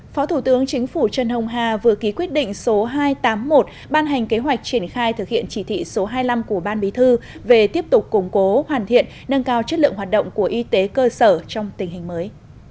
phó thủ tướng chính phủ trần hồng hà vừa ký quyết định số hai trăm tám mươi một ban hành kế hoạch triển khai thực hiện chỉ thị số hai mươi năm của ban bí thư về tiếp tục củng cố hoàn thiện nâng cao chất lượng hoạt động của y tế cơ sở trong tình hình mới